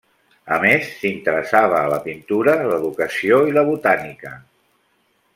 A més, s'interessava a la pintura, l'educació i la botànica.